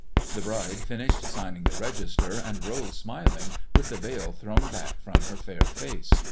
The bride finished signing the register, and rose smiling, with the veil thrown back from her fair face.